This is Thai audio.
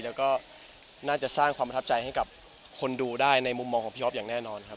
แล้วก็น่าจะสร้างความประทับใจให้กับคนดูได้ในมุมมองของพี่อ๊อฟอย่างแน่นอนครับ